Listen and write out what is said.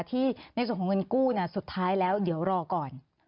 ในส่วนของเงินกู้สุดท้ายแล้วเดี๋ยวรอก่อน